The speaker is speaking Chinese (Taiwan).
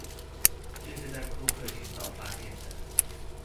這是在庫克群島發現的。